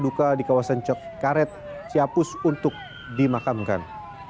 duka di kawasan cek karet siapus untuk dimakamkan